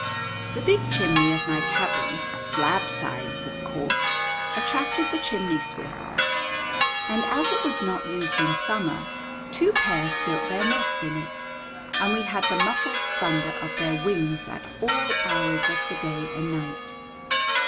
The big chimney of my cabin "Slabsides" of course attracted the chimney swifts, and as it was not used in summer, two pairs built their nests in it, and we had the muffled thunder of their wings at all hours of the day and night.